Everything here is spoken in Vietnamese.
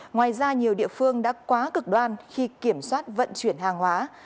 ngoài ra nhiều địa phương đã quá cực đoan khi kiểm soát vận chuyển hàng hóa